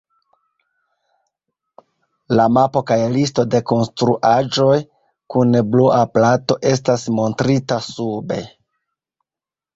La mapo kaj listo de konstruaĵoj kun Blua Plato estas montrita sube.